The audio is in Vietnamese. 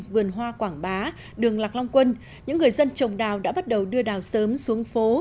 vườn hoa quảng bá đường lạc long quân những người dân trồng đào đã bắt đầu đưa đào sớm xuống phố